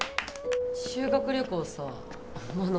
・修学旅行さ真野